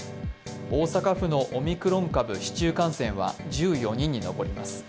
大阪府のオミクロン株市中感染とは１４人に上ります。